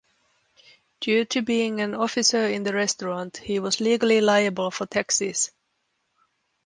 Due to being an Officer in the Restaurant, he was legally liable for taxes.